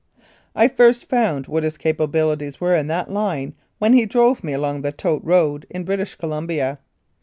I first found what his capabilities were in that line when he drove me along the "tote" road in British Columbia.